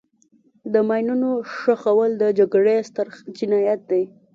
د ماینونو ښخول د جګړې ستر جنایت دی.